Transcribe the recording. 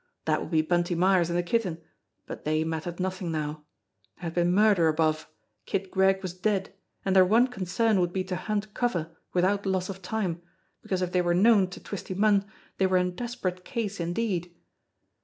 That would be Bunty Myers and the Kitten, but they mattered nothing now. There had been murder above, Kid Gregg was dead, and their one concern would be to hunt cover without loss of time, because if they were known to Twisty Munn they were in desperate case indeed